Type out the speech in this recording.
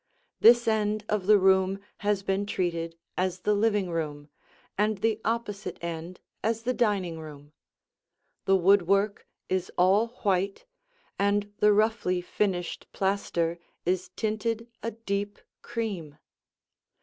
This end of the room has been treated as the living room and the opposite end as the dining room. The woodwork is all white, and the roughly finished plaster is tinted a deep cream.